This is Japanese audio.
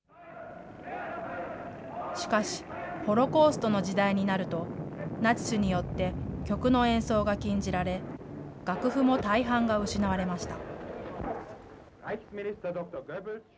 しかし、ホロコーストの時代になると、ナチスによって曲の演奏が禁じられ、楽譜も大半が失われました。